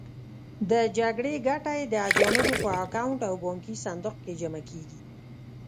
د جګړې ګټه یې د اجانبو په اکاونټ او بانکي صندوق کې جمع کېږي.